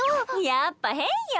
やっぱ変よ。